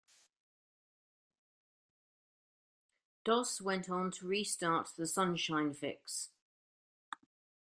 Doss went on to restart The Sunshine Fix.